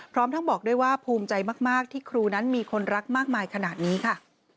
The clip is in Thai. พร้อมทั้งบอกด้วยว่าภูมิใจมากที่ครูนั้นมีคนรักมากมายขนาดนี้ค่ะ